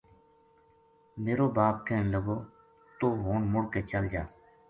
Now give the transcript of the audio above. میرو باپ کہن لگو ”توہ ہن مُڑ کے چل جا